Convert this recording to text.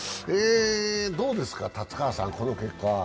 どうですか、達川さん、この結果は？